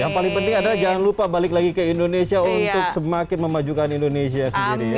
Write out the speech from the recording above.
yang paling penting adalah jangan lupa balik lagi ke indonesia untuk semakin memajukan indonesia sendiri ya